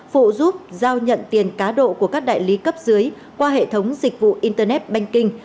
phụ giúp giao nhận tiền cá độ của các đại lý cấp dưới qua hệ thống dịch vụ internet banking